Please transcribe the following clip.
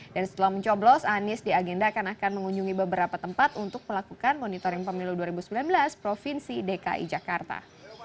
dan setelah mencoblos anies di agenda akan akan mengunjungi beberapa tempat untuk melakukan monitoring pemilu dua ribu sembilan belas provinsi dki jakarta